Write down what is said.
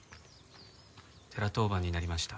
寺当番になりました。